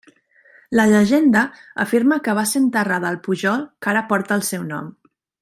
La llegenda afirma que va ser enterrada al pujol que ara porta el seu nom.